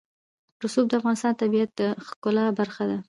رسوب د افغانستان د طبیعت د ښکلا برخه ده.